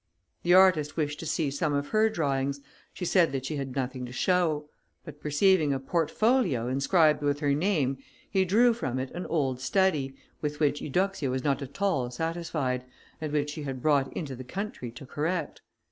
The artist wished to see some of her drawings; she said that she had nothing to show; but perceiving a portfolio, inscribed with her name, he drew from it an old study, with which Eudoxia was not at all satisfied, and which she had brought into the country to correct.